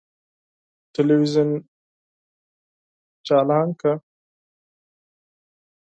تلویزون چالانه کړه!